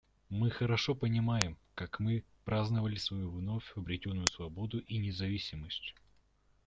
Мы хорошо помним, как мы праздновали свою вновь обретенную свободу и независимость.